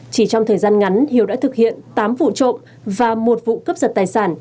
chỉ trong thời gian ngắn hiếu đã thực hiện tám vụ trộm và một vụ cướp giật tài sản